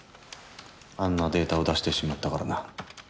あんなデータを出してしまったからな。